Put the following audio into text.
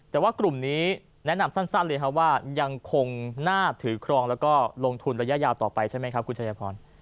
แต่ว่ากลุ่มนี้แนะนำสั้นเลยครับว่ายังคงน่าถือครองแล้วก็ลงทุนระยะยาวต่อไปใช่ไหมครับคุณชายพร